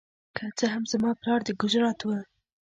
که څه هم زما پلار د ګجرات و.